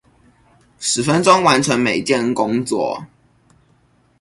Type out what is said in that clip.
十分鐘完成每件工作